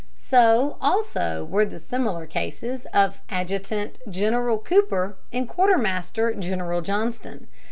So, also, were the similar cases of Adjutant General Cooper and Quartermaster General Johnston.